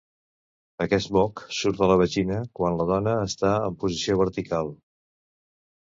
Aquest moc surt de la vagina quan la dona està en posició vertical.